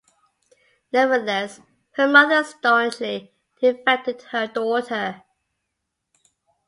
Nevertheless, her mother staunchly defended her daughter.